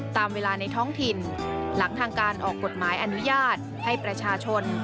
ตามเวลาในท้องถิ่นหลังทางการออกกฎหมายอนุญาตให้ประชาชน